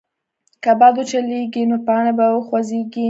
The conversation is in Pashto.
که باد وچلېږي، نو پاڼې به وخوځېږي.